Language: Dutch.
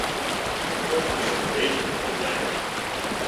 Toch is er een beetje een probleem.